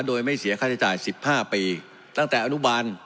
โดยไม่เสียค่าใช้จ่าย๑๕ปีตั้งแต่อนุบาล